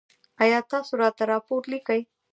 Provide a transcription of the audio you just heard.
ایا تاسو راته راپور لیکئ؟